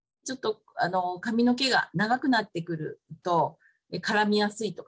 ちょっと髪の毛が長くなってくると絡みやすいとかですね